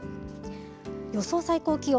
予想最高気温。